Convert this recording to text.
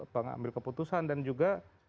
pengambil keputusan dan juga